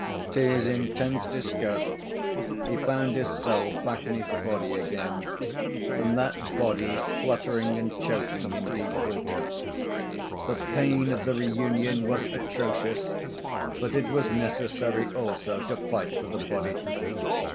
To his intense disgust, he found his soul back in his body again, and that body spluttering and choking in deep water. The pain of the reunion was atrocious, but it was necessary, also, to fight for the body.